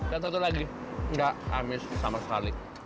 dan satu lagi nggak amis sama sekali